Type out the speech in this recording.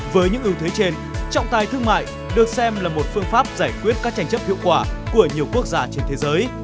với những ưu thế trên trọng tài thương mại được xem là một phương pháp giải quyết các tranh chấp hiệu quả của nhiều quốc gia trên thế giới